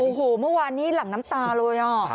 โอ้โหเมื่อวานนี้หลั่งน้ำตาเลย